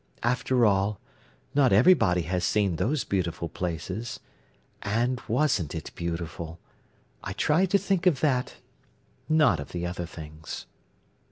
"After all, not everybody has seen those beautiful places. And wasn't it beautiful! I try to think of that, not of the other things."